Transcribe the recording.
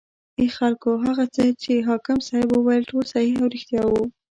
ای خلکو هغه څه چې حاکم صیب وویل ټول صحیح او ریښتیا و.